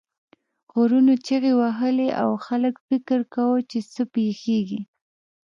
غرونو چیغې وهلې او خلک فکر کاوه چې څه پیښیږي.